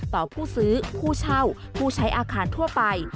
ผู้ซื้อผู้เช่าผู้ใช้อาคารทั่วไป